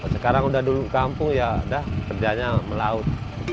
sekarang udah dulu kampung ya udah kerjanya melaut